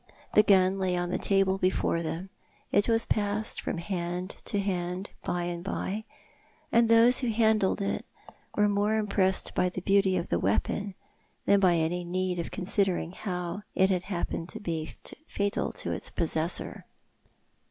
The gun lay on the table before them. It was passed from hand to hand by and by, and those who handled it were more impressed by the beauty of the weapon than by any need of considering how it had happened to be fatal to its possessor.